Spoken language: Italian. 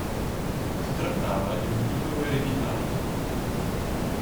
Si trattava di un titolo ereditario.